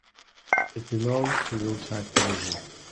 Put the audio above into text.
It belongs to Rohtak Division.